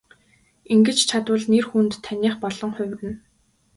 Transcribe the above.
Ингэж чадвал нэр хүнд таных болон хувирна.